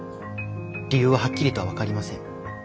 理由ははっきりとは分かりません。